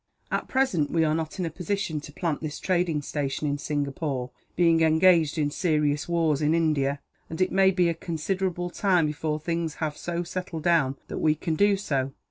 At present, we are not in a position to plant this trading station in Singapore, being engaged in serious wars in India; and it may be a considerable time before things have so settled down that we can do so.